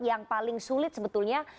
yang paling sulit sebetulnya